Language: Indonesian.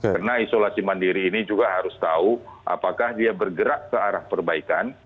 karena isolasi mandiri ini juga harus tahu apakah dia bergerak ke arah perbaikan